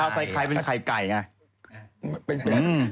เอาใส่ไข่เป็นไข่ไก่ไง